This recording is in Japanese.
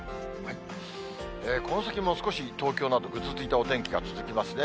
この先も少し東京など、ぐずついたお天気が続きますね。